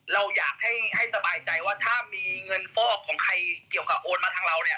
เราอยากให้สบายใจว่าถ้ามีเงินฟอกของใครเกี่ยวกับโอนมาทางเราเนี่ย